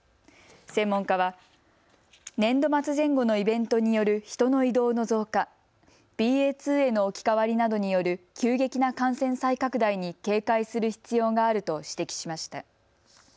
専門家は年度末前後のイベントによる人の移動の増加、ＢＡ．２への置き換わりなどによる急激な感染再拡大に警戒する必要があると指摘しました。